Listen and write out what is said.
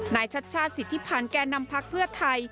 ชัชชาติสิทธิพันธ์แก่นำพักเพื่อไทย